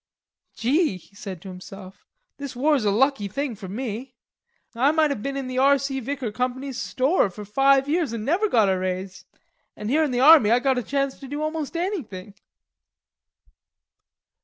"Gee," he said to himself, "this war's a lucky thing for me. I might have been in the R.C. Vicker Company's store for five years an' never got a raise, an' here in the army I got a chance to do almost anything."